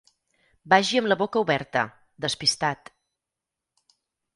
Vagi amb la boca oberta, despistat.